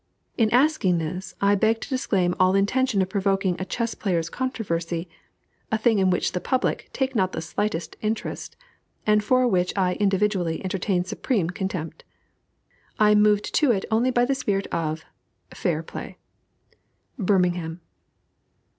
In asking this, I beg to disclaim all intention of provoking a chess players' controversy, a thing in which the public take not the slightest interest, and for which I individually entertain supreme contempt. I am moved to it only by the spirit of FAIR PLAY. BIRMINGHAM.